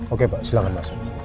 oke pak silahkan masuk